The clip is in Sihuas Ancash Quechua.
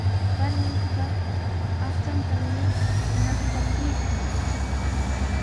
Paniiqa aqchantami ñaqchakuykan.